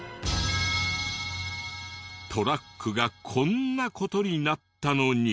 トラックがこんな事になったのに。